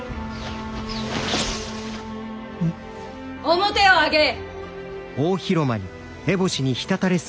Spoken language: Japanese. ・面を上げい。